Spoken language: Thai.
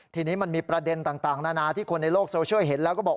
ทีนี้มันมีประเด็นต่างนานาที่คนในโลกโซเชียลเห็นแล้วก็บอก